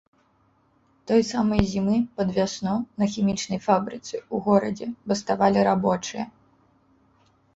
Той самай зімы, пад вясну, на хімічнай фабрыцы, у горадзе, баставалі рабочыя.